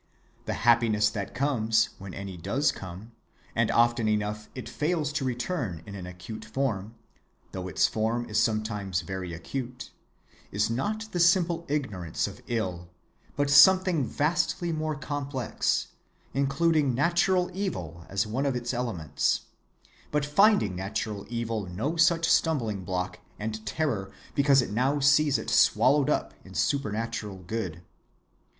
The happiness that comes, when any does come,—and often enough it fails to return in an acute form, though its form is sometimes very acute,—is not the simple ignorance of ill, but something vastly more complex, including natural evil as one of its elements, but finding natural evil no such stumbling‐block and terror because it now sees it swallowed up in supernatural good.